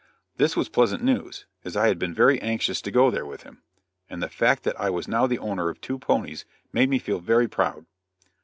This was pleasant news, as I had been very anxious to go there with him, and the fact that I was now the owner of two ponies made me feel very proud.